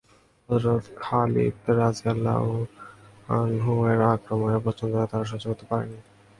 হযরত খালিদ রাযিয়াল্লাহু আনহু-এর আক্রমণের প্রচণ্ডতা তারা সহ্য করতে পারে না।